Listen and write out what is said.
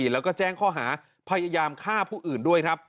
แล้วก็แจ้งข้อหาพยายามฆ่าผู้อื่นด้วยครับ